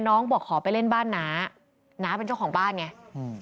บอกขอไปเล่นบ้านน้าน้าเป็นเจ้าของบ้านไงอืม